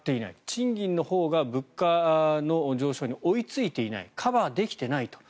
賃金のほうが物価の上昇に追いついていないカバーできてないと。